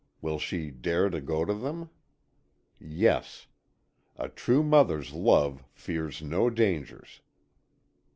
Will she dare to go to them? Yes. A true mother's love fears no dangers.